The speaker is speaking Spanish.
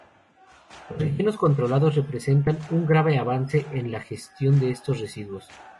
Los rellenos controlados representan un gran avance en la gestión de estos residuos.